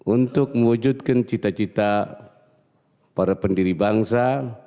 untuk mewujudkan cita cita para pendiri bangsa